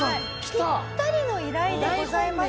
ピッタリの依頼でございます。